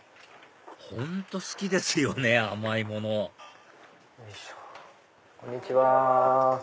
本当好きですよね甘いものこんにちは。